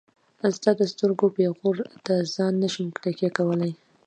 ستا د سترګو پيغور ته ځان نشم تکيه کولاي.